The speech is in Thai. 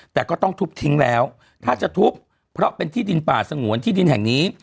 แต่ก็ต้องทุบทิ้งแล้วถ้าจะทุบเพราะเป็นที่ดินป่าสงวนที่ดินแห่งนี้